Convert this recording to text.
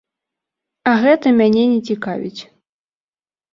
А гэта мяне не цікавіць.